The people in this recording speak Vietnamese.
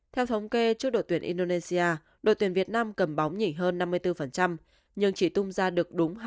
theo thống kê trước đội tuyển indonesia đội tuyển việt nam cầm bóng nhỉ hơn năm mươi bốn nhưng chỉ tung ra được đúng hai